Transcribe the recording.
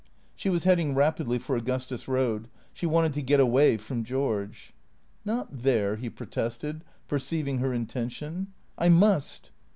She was heading rapidly for Augustus Road. She wanted to get away from George. " Not there," he protested, perceiving her intention. " I must."